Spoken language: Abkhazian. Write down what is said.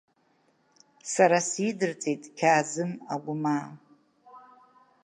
Сара сидырҵеит Қьаазым Агәмаа.